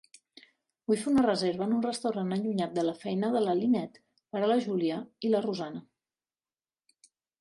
Vull fer una reserva en un restaurant allunyat de la feina de la Lynette per a la Julia i la Rosanna.